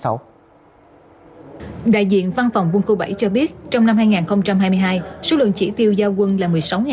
đại diện văn phòng quân khu bảy cho biết trong năm hai nghìn hai mươi hai số lượng chỉ tiêu giao quân là một mươi sáu hai trăm linh